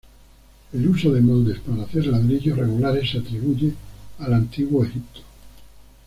El uso de moldes para hacer ladrillos regulares se atribuye al Antiguo Egipto.